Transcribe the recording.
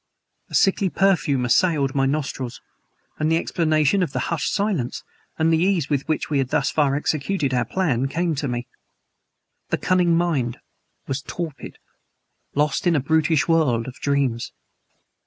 A sickly perfume assailed my nostrils, and the explanation of the hushed silence, and the ease with which we had thus far executed our plan, came to me. The cunning mind was torpid lost in a brutish world of dreams.